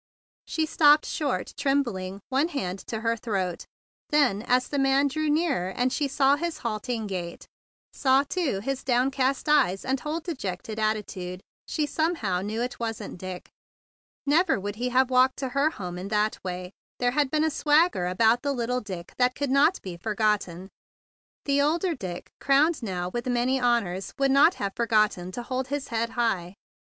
She stopped short, trembling, one hand to her throat. Then, as the man 21 THE BIG BLUE SOLDIER drew nearer and she saw his halting gait, saw, too, his downcast eyes and whole dejected attitude, she somehow knew it was not Dick. Never would he have walked to her home in that way. There had been a swagger about little Dick that could not be forgotten. The older Dick, crowned now with many honors, would not have forgotten to hold his head high.